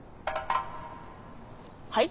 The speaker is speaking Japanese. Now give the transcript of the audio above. はい？